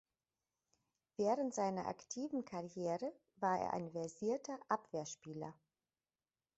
Während seiner aktiven Karriere war er ein versierter Abwehrspieler.